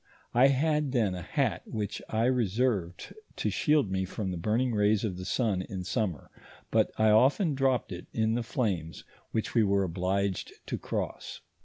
I had then a hat which I reserved to shield me from the burning rays of the sun in summer, but I often dropped it in the flames which we were obliged to Cl'OSS.